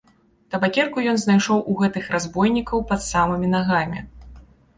Табакерку ён знайшоў у гэтых разбойнікаў пад самымі нагамі.